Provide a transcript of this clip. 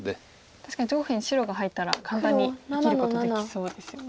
確かに上辺白が入ったら簡単に生きることできそうですよね。